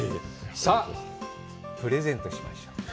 さあ、プレゼントしましょう。